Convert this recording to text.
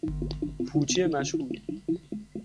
پوچی مشهود